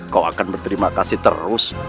kau akan berterima kasih terus